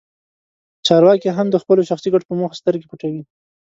چارواکي هم د خپلو شخصي ګټو په موخه سترګې پټوي.